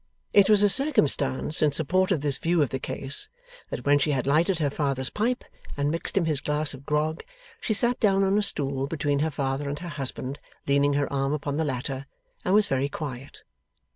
It was a circumstance in support of this view of the case, that when she had lighted her father's pipe, and mixed him his glass of grog, she sat down on a stool between her father and her husband, leaning her arm upon the latter, and was very quiet.